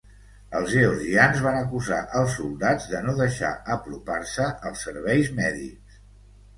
Els georgians van acusar els soldats de no deixar apropar-se els serveis mèdics.